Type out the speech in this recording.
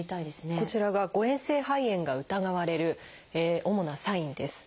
こちらが誤えん性肺炎が疑われる主なサインです。